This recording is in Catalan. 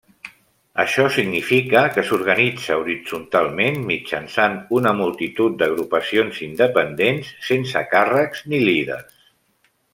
Això significa que s'organitza horitzontalment mitjançant una multitud d'agrupacions independents sense càrrecs ni líders.